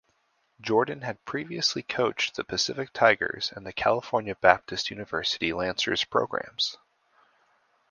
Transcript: Jorden had previously coached the Pacific Tigers and the California Baptist University Lancers programs.